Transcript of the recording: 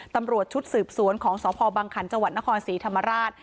ตำรวจชุดสืบสวนของสพบังขันจังหวัดนครศรีธรรมราช